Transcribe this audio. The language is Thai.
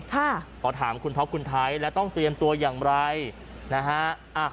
ขอถามคุณท็อปคุณไทยแล้วต้องเตรียมตัวอย่างไรนะฮะ